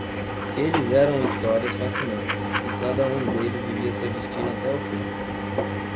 Eles eram histórias fascinantes, e cada um deles vivia seu destino até o fim.